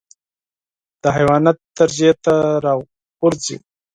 د حيوانيت درجې ته راغورځي.